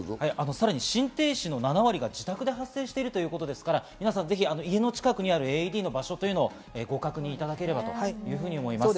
さらに心停止の７割が自宅で発生しているということですから、皆さんぜひ家の近くにあるＡＥＤの場所をご確認いただければと思います。